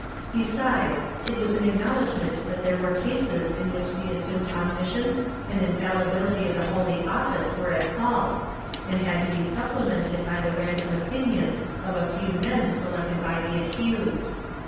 Besides, it was an acknowledgement that there were cases in which the assumed omniscience and infallibility of the Holy Ofiice were at fault, and had to be supplemented by the random opinions of a few men selected by the accused.